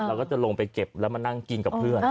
เราก็จะลงไปเก็บแล้วมานั่งกินกับเพื่อน